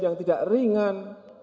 yang tidak ringan